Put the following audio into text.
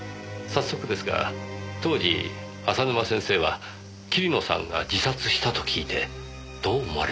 早速ですが当時浅沼先生は桐野さんが自殺したと聞いてどう思われました？